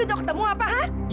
untuk ketemu apa